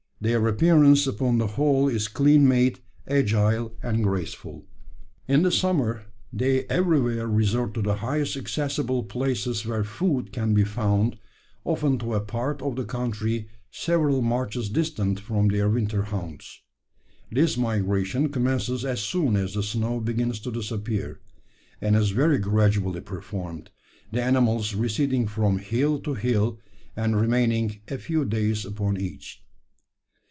Their appearance upon the whole is clean made, agile, and graceful. "`In the summer they everywhere resort to the highest accessible places where food can be found often to a part of the country several marches distant from their winter haunts. This migration commences as soon as the snow begins to disappear; and is very gradually performed the animals receding from hill to hill, and remaining a few days upon each.